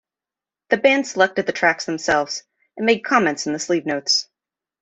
The band selected the tracks themselves, and made comments in the sleeve-notes.